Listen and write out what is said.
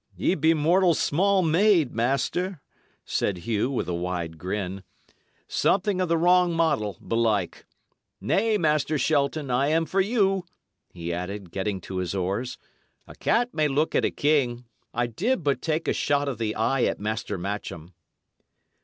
"Ye be mortal small made, master," said Hugh, with a wide grin; "something o' the wrong model, belike. Nay, Master Shelton, I am for you," he added, getting to his oars. "A cat may look at a king. I did but take a shot of the eye at Master Matcham."